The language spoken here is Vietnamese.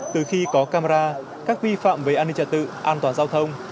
từ khi có camera các vi phạm về an ninh trật tự an toàn giao thông